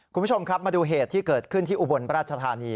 คุณผู้ชมครับมาดูเหตุที่เกิดขึ้นที่อุบลราชธานี